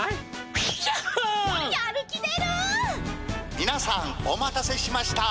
みなさんお待たせしました。